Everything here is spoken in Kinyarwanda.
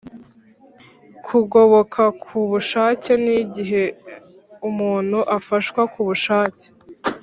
Kugoboka ku bushake ni igihe umuntu afashwa ku bushake